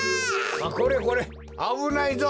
これこれあぶないぞ！